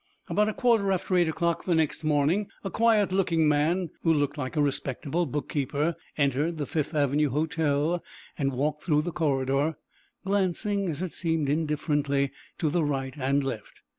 About quarter after eight o'clock the next morning a quiet looking man, who looked like a respectable bookkeeper entered the Fifth Avenue Hotel and walked through the corridor, glancing, as it seemed, indifferently, to the right and left.